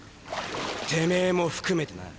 てめも含めてなぁ！